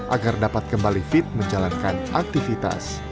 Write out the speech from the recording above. agar dapat kembali fit menjalankan aktivitas